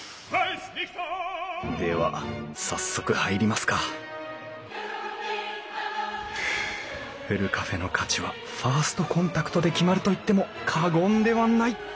では早速入りますかふるカフェの価値はファーストコンタクトで決まると言っても過言ではない！